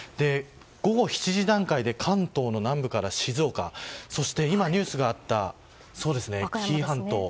午後７時段階で関東の南部から静岡そして、今ニュースがあった紀伊半島